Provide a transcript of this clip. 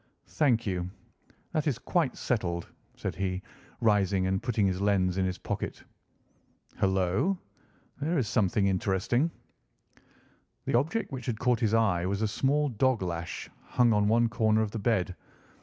"Thank you. That is quite settled," said he, rising and putting his lens in his pocket. "Hullo! Here is something interesting!" The object which had caught his eye was a small dog lash hung on one corner of the bed.